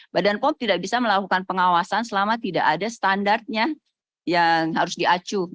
badan pom tidak bisa melakukan pengawasan selama tidak ada standarnya yang harus diacu